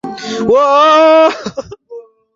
আমি তো আগে জানতুম না।